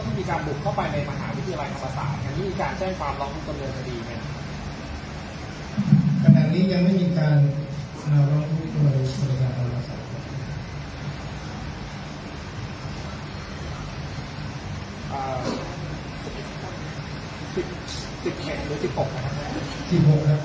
มหาวิทยาลัยทหรือภาษายังมีอีกการแจ้งความล้อมของความเรื่องอดีตไหมครับ